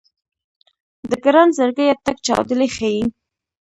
د ګران زړګيه ټک چاودلی ښه يې